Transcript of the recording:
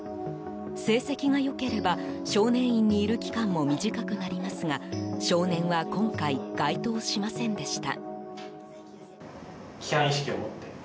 成績が良ければ少年院にいる期間も短くなりますが少年は今回、該当しませんでした。